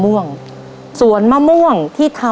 มันก็จะมีความสุขมีรอยยิ้ม